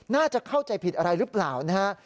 น่าจะเข้าใจผิดอะไรหรือเปล่านะฮะ